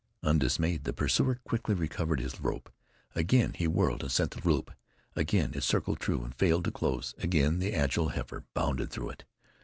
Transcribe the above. Undismayed the pursuer quickly recovered his rope. Again he whirled and sent the loop. Again it circled true, and failed to close; again the agile heifer bounded through it.